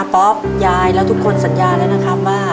ป๊อปยายแล้วทุกคนสัญญาแล้วนะครับว่า